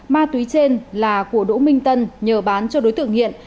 ma túy trên là của đỗ minh tân nhờ bán cho đối tượng nghiện